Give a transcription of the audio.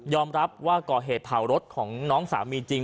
รับว่าก่อเหตุเผารถของน้องสามีจริง